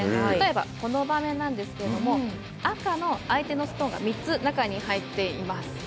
例えばこの場面なんですけども赤の相手のストーンが３つ中に入っています。